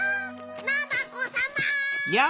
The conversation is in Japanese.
ナマコさま！